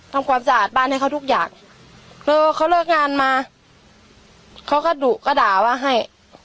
ทำความสะอาดบ้านให้เขาทุกอย่างคือเขาเลิกงานมาเขาก็ดุก็ด่าว่าให้